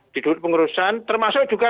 di pengurusan termasuk juga